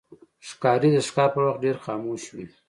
ښکاري د ښکار پر وخت ډېر خاموش وي.